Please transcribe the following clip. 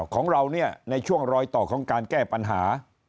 ของเราเนี่ยในช่วงรอยต่อของการแก้ปัญหา